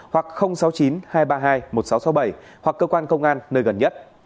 hoặc sáu mươi chín hai trăm ba mươi hai một nghìn sáu trăm sáu mươi bảy hoặc cơ quan công an nơi gần nhất